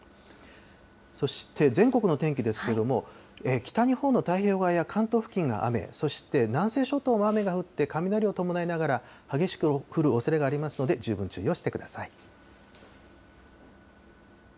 そして全国の天気ですけれども、北日本の太平洋側や関東付近が雨、そして南西諸島も雨が降って、雷を伴いながら激しく降るおそれがありますので、十分注意をしてください。